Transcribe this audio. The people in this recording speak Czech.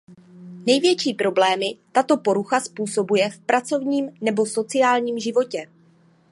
Největší problémy tato porucha způsobuje v pracovním nebo sociálním životě.